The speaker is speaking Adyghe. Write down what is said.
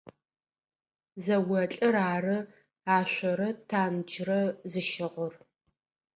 Зэолӏыр ары ашъорэ танджрэ зыщыгъыр.